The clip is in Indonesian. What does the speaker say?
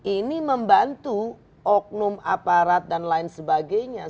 ini membantu oknum aparat dan lain sebagainya